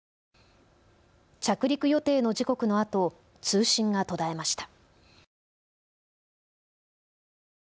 着陸予定の時刻のあと、通信が途絶えました。